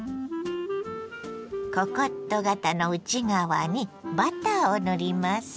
ココット型の内側にバターを塗ります。